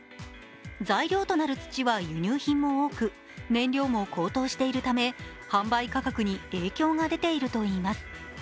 材料となる土は輸入品も多く燃料も高騰しているため販売価格に影響が出ているといいます。